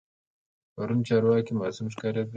پرون چارواکي معصوم ښکارېدل.